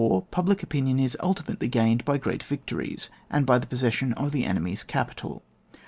Public opinion is ultimately gained by great Tictories, and by the possession of the enemy's capital.